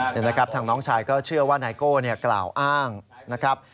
นี่นะครับทางน้องชายก็เชื่อว่านายโก้กล่าวอ้างนะครับ